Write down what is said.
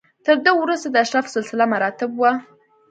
تر ده وروسته د اشرافو سلسله مراتب و.